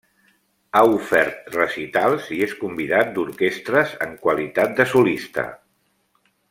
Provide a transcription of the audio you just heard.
Ha ofert recitals i és convidat d'orquestres en qualitat de solista.